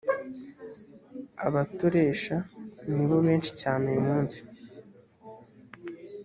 abatoresha nibo benshi cyane uyumunsi.